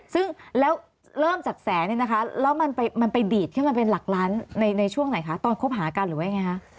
ซึ่งแล้วเริ่มจากแสนเนี่ยนะคะแล้วมันไปดีดที่มันเป็นหลักล้านในช่วงไหนคะตอนคบหากันหรือว่ายังไงคะ